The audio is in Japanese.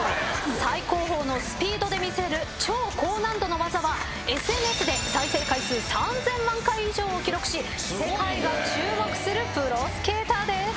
最高峰のスピードで見せる超高難度の技はＳＮＳで再生回数３，０００万回以上を記録し世界が注目するプロスケーターです。